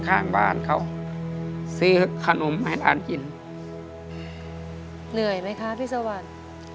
ข้างบ้านเขาซื้อขนมให้หลานกินเหนื่อยไหมคะพี่สวรรค์